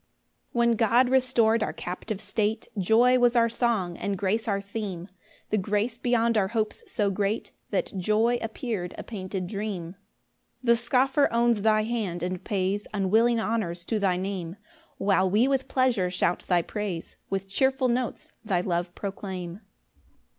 1 When God restor'd our captive state, Joy was our song, and grace our theme; The grace beyond our hopes so great, That joy appear'd a painted dream. 2 The scoffer owns thy hand, and pays Unwilling honours to thy Name; While we with pleasure shout thy praise, With cheerful notes thy love proclaim.